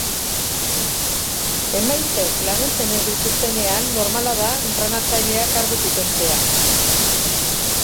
Emaitzek laguntzen ez dituztenean normala da entrenatzailea kargutik kentzea.